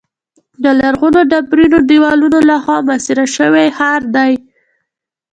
د لرغونو ډبرینو دیوالونو له خوا محاصره شوی ښار دی.